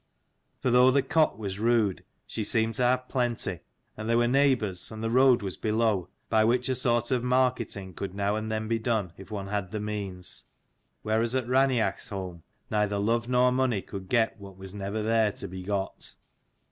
For though the cot was 120 rude, she seemed to have plenty, and there were neighbours, and the road was below, by which a sort of marketing could now and then be done if one had the means; whereas at Raineach's home neither love nor money could get what was never there to be got.